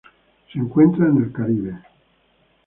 Se encuentra en el Caribe.